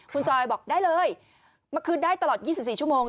คุณจอยบอกได้เลยมาคืนได้ตลอด๒๔ชั่วโมง